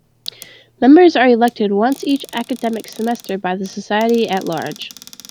Members are elected once each academic semester by the Society at large.